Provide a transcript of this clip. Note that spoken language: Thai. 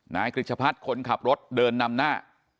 กริจพัฒน์คนขับรถเดินนำหน้า